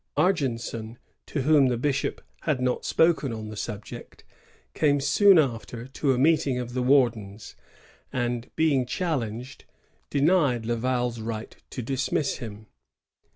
Argenson, to whom the bishop had not spoken on the subject, came soon after to a meeting of the wardens, and, being challenged, denied Laval's right to dismiss him.